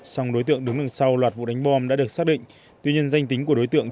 song đối tượng đứng ở sau loạt vụ đánh bom đã được xác định tuy nhiên danh tính của đối tượng